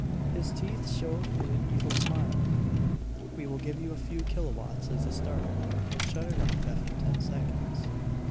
His teeth showed in an evil smile. "We will give you a few kilowatts as a starter, and shut it off after ten seconds.